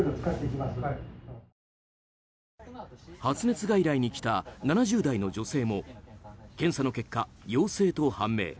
発熱外来に来た７０代の女性も検査の結果、陽性と判明。